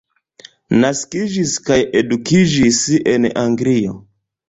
Naskiĝis kaj edukiĝis en Anglio.